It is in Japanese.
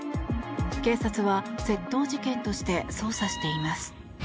警察は窃盗事件として捜査しています。